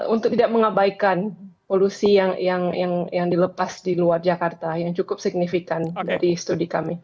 untuk tidak mengabaikan polusi yang dilepas di luar jakarta yang cukup signifikan di studi kami